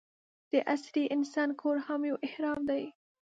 د عصري انسان کور هم یو اهرام دی.